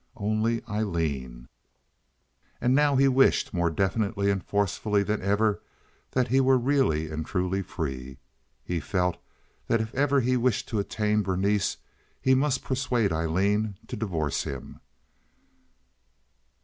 Only Aileen. And now he wished more definitely and forcefully than ever that he were really and truly free. He felt that if ever he wished to attain Berenice he must persuade Aileen to divorce him.